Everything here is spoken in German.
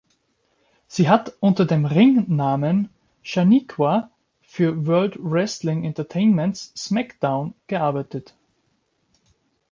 Sie hat unter dem Ringnahmen Shaniqua für World Wrestling Entertainment's SmackDown gearbeitet.